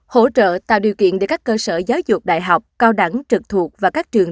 hỗ trợ tạo điều kiện để các cơ sở giáo dục đại học cao đẳng trực thuộc và các trường